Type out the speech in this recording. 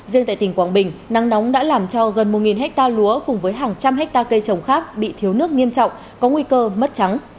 riêng tại tỉnh quảng bình nắng nóng đã làm cho gần một hectare lúa cùng với hàng trăm hectare cây trồng khác bị thiếu nước nghiêm trọng có nguy cơ mất trắng